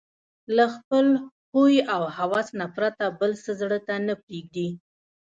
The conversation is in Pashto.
له خپل هوى او هوس نه پرته بل څه زړه ته نه پرېږدي